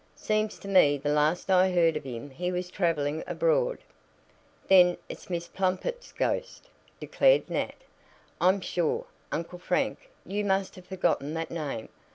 Seems to me the last I heard of him he was traveling abroad." "Then it's Miss 'Plumpet's' ghost," declared Nat. "I'm sure, Uncle Frank, you must have forgotten that name.